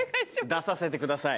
出させてください。